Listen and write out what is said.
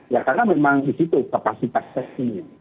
ya karena memang di situ kapasitas testingnya